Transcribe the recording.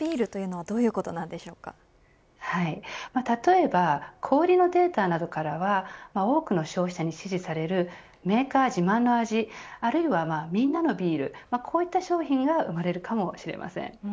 私のビールとは例えば小売りのデータなどからは多くの消費者に支持されるメーカー自慢の味あるいは、みんなのビールこういった商品が生まれるかもしれません。